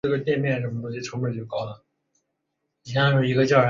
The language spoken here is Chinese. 奥恩河是奥恩省的省名来源。